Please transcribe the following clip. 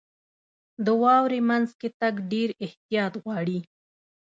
• د واورې مینځ کې تګ ډېر احتیاط غواړي.